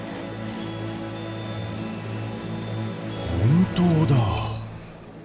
本当だ。